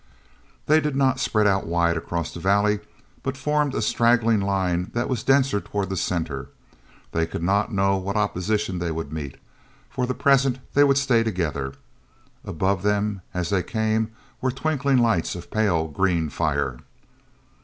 hey did not spread out wide across the valley, but formed a straggling line that was denser toward the center. They could not know what opposition they would meet; for the present they would stay together. Above them as they came were twinkling lights of pale green fire.